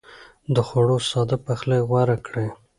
د خوړو ساده پخلی غوره کړئ.